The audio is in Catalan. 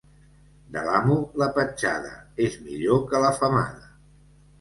De l'amo, la petjada, és millor que la femada.